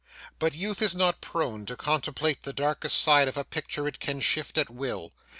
But youth is not prone to contemplate the darkest side of a picture it can shift at will.